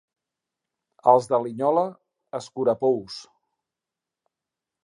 Els de Linyola, escurapous.